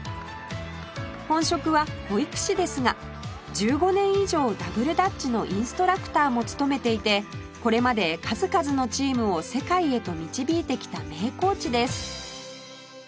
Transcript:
本職は保育士ですが１５年以上ダブルダッチのインストラクターも務めていてこれまで数々のチームを世界へと導いてきた名コーチです